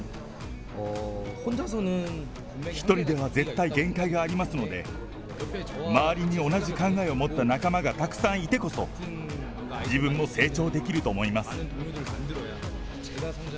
１人では絶対限界がありますので、周りに同じ考えを持った仲間がたくさんいてこそ、自分も成長できると思います。